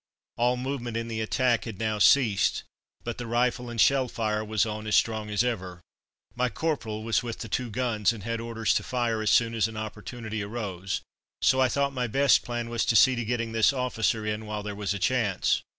All movement in the attack had now ceased, but the rifle and shell fire was on as strong as ever. My corporal was with the two guns, and had orders to fire as soon as an opportunity arose, so I thought my best plan was to see to getting this officer in while there was a chance.